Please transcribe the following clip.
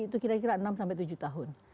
itu kira kira enam sampai tujuh tahun